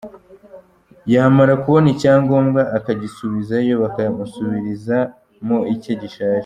Yamara kubona icya ngombwa akagisubizayo bakamusubirizamo icye gishaje”.